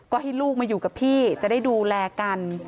ก็ให้ลูกมาอยู่กับพี่จะได้ดูแลกัน